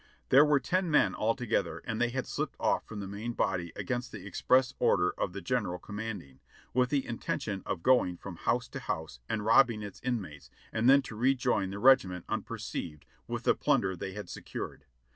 There were ten men altogether, and they had slipped off from the main body against the express order of the general com manding, with the intention of going from house to house and robbing its inmates, and then to rejoin the regiment unperceived, with the plunder they had secured.